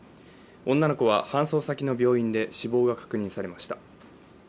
女の子は搬送先の病院で死亡が確認されました。